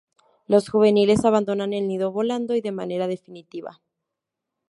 Los juveniles abandonan el nido volando y de manera definitiva.